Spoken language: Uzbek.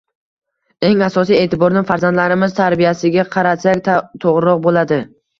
Eng asosiy e’tiborni farzandlarimiz tarbiyasiga qaratsak, to‘g‘riroq bo‘ladi.